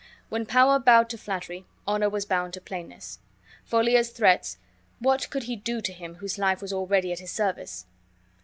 When power bowed to flattery, honor was bound to plainness. For Lear's threats, what could he do to him whose life was already at his service?